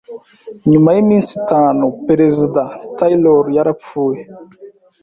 Nyuma y'iminsi itanu, Perezida Taylor yarapfuye.